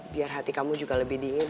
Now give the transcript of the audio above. biar hati kamu juga lebih dingin